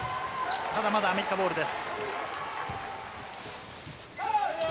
ただ、まだアメリカボールです。